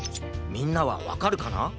みんなはわかるかな？